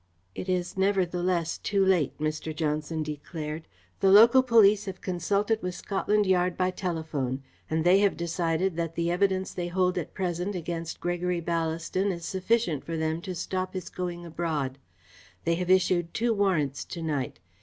"It is nevertheless too late," Mr. Johnson declared. "The local police have consulted with Scotland Yard by telephone, and they have decided that the evidence they hold at present against Gregory Ballaston is sufficient for them to stop his going abroad. They have issued two warrants to night.